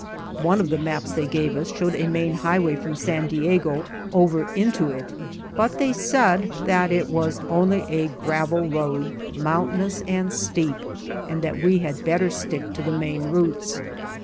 One of the maps they gave us showed a main highway from San Diego over into it, but they said that it was only a gravel road, mountainous and steep, and that we had better stick to the main routes.